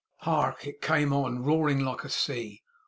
Hark! It came on, roaring like a sea!